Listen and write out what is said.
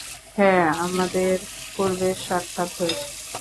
হ্যাঁ, আমাদের পূর্বে সাক্ষাৎ হয়েছে।